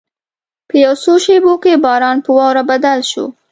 په یو څو شېبو کې باران په واوره بدل شو.